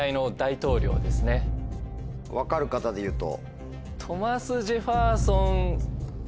分かる方でいうと？